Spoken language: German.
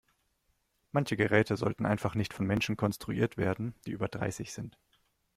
Manche Geräte sollten einfach nicht von Menschen konstruiert werden, die über dreißig sind.